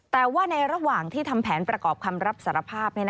แต่ว่าในระหว่างที่ทำแผนประกอบคำรับสารภาพ